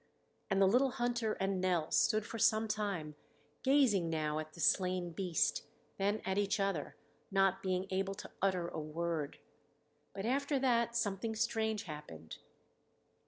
And the little hunter and Nell stood for some time, gazing now at the slain beast, then at each other, not being able to utter a word. But after that something strange happened.